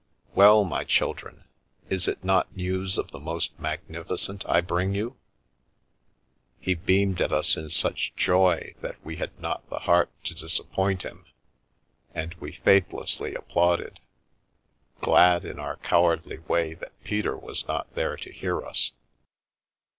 " Well, my children, is it not news of the most magnificent I bring you ?" He beamed at us in such joy that we had not the heart to disappoint him, and we faithlessly applauded; glad in our cowardly way that Peter was not there to hear us.